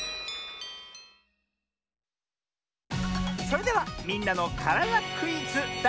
それでは「みんなのからだクイズ」だい３もん！